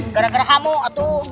gara gara hamu atu